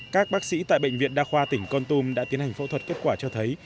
các bác sĩ tại bệnh viện đa khoa tỉnh con tum đã tiến hành phẫu thuật kết quả cho thấy